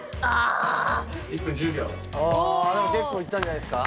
おでもけっこういったんじゃないですか？